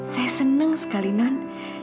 saya seneng sekali nond